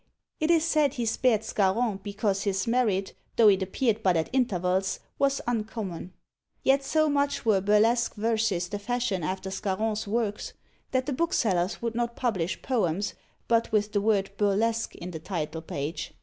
It is said he spared Scarron because his merit, though it appeared but at intervals, was uncommon. Yet so much were burlesque verses the fashion after Scarron's works, that the booksellers would not publish poems, but with the word "Burlesque" in the title page.